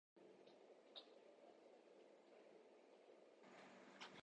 O defini mo nyamndu, o yiiwi gorko maako.